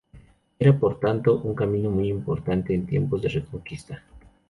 Era, por tanto, un camino muy importante en tiempos de reconquista.